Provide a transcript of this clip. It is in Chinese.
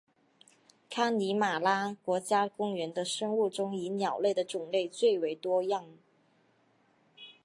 康尼玛拉国家公园的生物中以鸟类的种类最为多样。